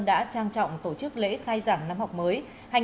đã trang trọng tổ chức lễ khai giảng năm học mới